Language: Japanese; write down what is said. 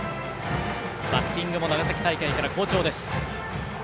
バッティングも長崎大会から好調。